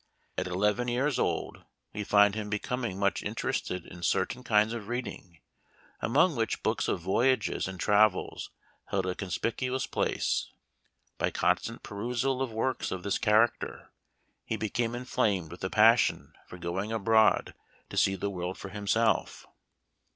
At eleven years old we find him becoming much interested in certain kinds of reading, among which books of voyages and travels held a conspicuous place. By con stant perusal of works of this character he be came inflamed with a passion for going abroad to see the world for himself.